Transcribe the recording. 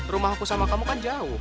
rumah aku sama kamu kan jauh